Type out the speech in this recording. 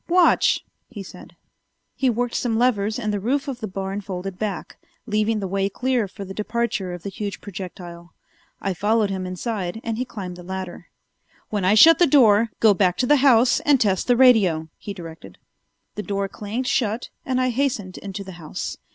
"Watch," he said. He worked some levers and the roof of the barn folded back, leaving the way clear for the departure of the huge projectile. I followed him inside and he climbed the ladder. "When I shut the door, go back to the house and test the radio," he directed. The door clanged shut and I hastened into the house.